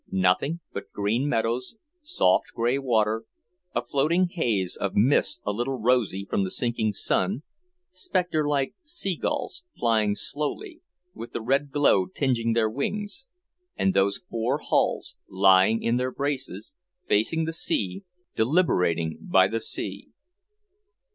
Nothing but green meadows, soft grey water, a floating haze of mist a little rosy from the sinking sun, spectre like seagulls, flying slowly, with the red glow tinging their wings and those four hulls lying in their braces, facing the sea, deliberating by the sea.